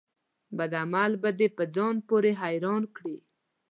بد عمل به دي په ځان پوري حيران کړي